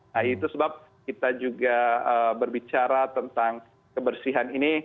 nah itu sebab kita juga berbicara tentang kebersihan ini